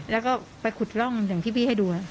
แล้วก็ไปขุดร่องอย่างที่พี่ให้ดู